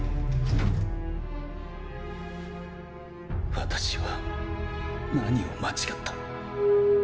私は何を間違った？